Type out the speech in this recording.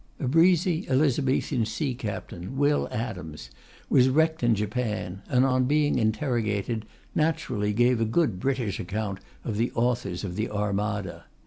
A breezy Elizabethan sea captain, Will Adams, was wrecked in Japan, and on being interrogated naturally gave a good British account of the authors of the Armada.